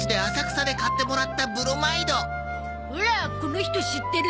オラこの人知ってる。